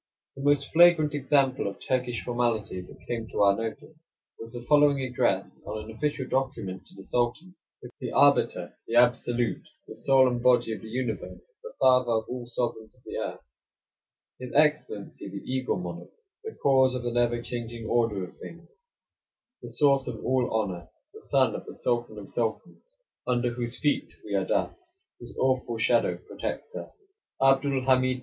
31 The most flagrant example of Turkish formality that came to our notice was the following address on an official document to the Sultan: "The Arbiter; the Absolute; the Soul and Body of the Universe; the Father of all the sovereigns of the earth; His Excellency, the Eagle Monarch; the Cause of the never changing order of things; the Source of all honor; the Son of the Sultan of Sultans, under whose feet we are dust, whose awful shadow protects us; Abdul Hamid II.